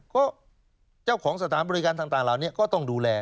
ก็เจ้าของสถานบริการต่างเหล่านี้ก็ต้องดูแล